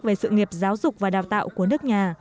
về sự nghiệp giáo dục và đào tạo của nước nhà